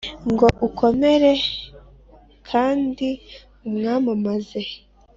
ngo ukomere kandi umwamamaze